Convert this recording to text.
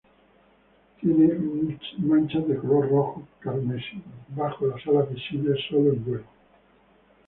Tiene manchas de color rojo carmesí bajo las alas visibles solo en vuelo.